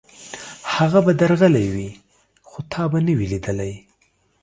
هغه به درغلی وي، خو تا به نه وي لېدلی.